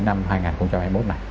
năm hai nghìn hai mươi một này